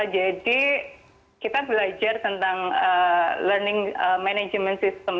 jadi kita belajar tentang learning management system